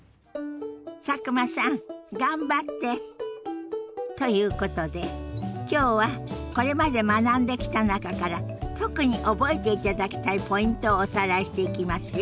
佐久間さん頑張って！ということで今日はこれまで学んできた中から特に覚えていただきたいポイントをおさらいしていきますよ。